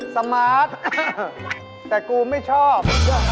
สมาร์ทแต่กูไม่ชอบ